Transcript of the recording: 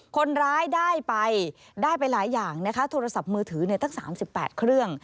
คนร้ายได้ไปได้ไปหลายอย่างนะคะโทรศัพท์มือถือตั้ง๓๘เครื่อง